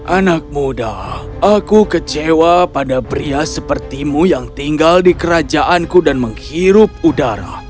anak muda aku kecewa pada pria sepertimu yang tinggal di kerajaanku dan menghirup udara